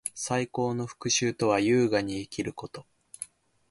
最高の復讐とは，優雅に生きること。